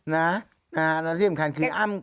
แล้วที่สำคัญคืออ้ำ